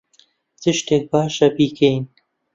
چ شتێک باشە بیکەین؟